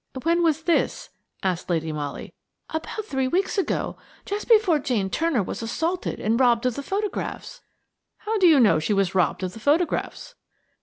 "When was this?" asked Lady Molly. "About three weeks ago–just before Jane Turner was assaulted and robbed of the photographs." "How do you know she was robbed of the photographs?"